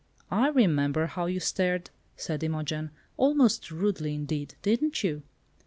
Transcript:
"I remember how you stared," said Imogen; "almost rudely, indeed. Didn't you?"